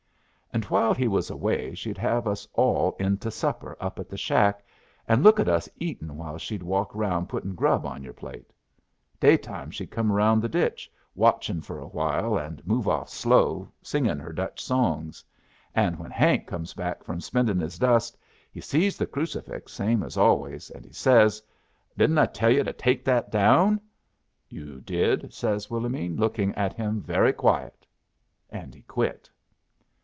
"And while he was away she'd have us all in to supper up at the shack, and look at us eatin' while she'd walk around puttin' grub on your plate. Day time she'd come around the ditch, watchin' for a while, and move off slow, singin' her Dutch songs. And when Hank comes back from spendin' his dust, he sees the crucifix same as always, and he says, 'Didn't I tell yu' to take that down?' 'You did,' says Willomene, lookin' at him very quiet. And he quit.